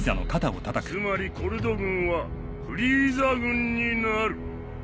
つまりコルド軍はフリーザ軍になる。